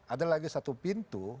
ada lagi satu pintu